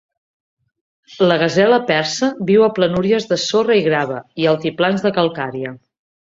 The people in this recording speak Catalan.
La gasela persa viu a planúries de sorra i grava i altiplans de calcària.